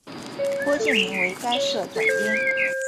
郭敬明为该社总编。